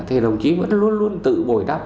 thì đồng chí vẫn luôn luôn tự bồi đắp